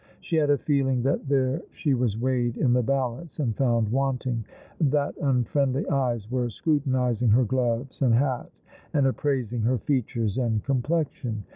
She had a feeling that there she was weighed in the balance and found want ing; that unfriendly eyes were scrutinizing her gloves and hat, and appraising her features and complexion.